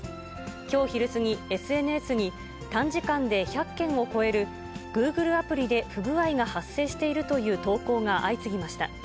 きょう昼過ぎ、ＳＮＳに、短時間で１００件を超えるグーグルアプリで不具合が発生しているという投稿が相次ぎました。